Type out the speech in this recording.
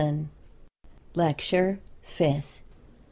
LECTURE FIFTH.